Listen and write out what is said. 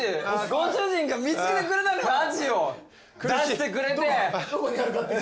ご主人が見つけてくれたアジを出してくれて。